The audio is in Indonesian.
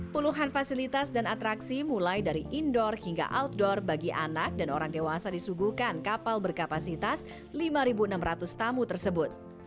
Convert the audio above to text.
puluhan fasilitas dan atraksi mulai dari indoor hingga outdoor bagi anak dan orang dewasa disuguhkan kapal berkapasitas lima enam ratus tamu tersebut